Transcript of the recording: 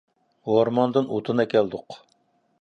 ئورماندىن ئوتۇن ئەكەلدۇق.